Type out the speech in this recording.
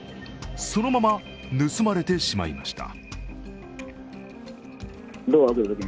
そのまま、盗まれてしまいました。